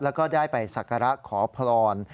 แล้วก็ได้ไปสักการะขอพร